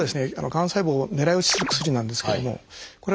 がん細胞を狙い撃ちする薬なんですけどもこれが使われた。